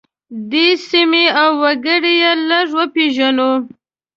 دې سیمې او وګړي یې لږ وپیژنو.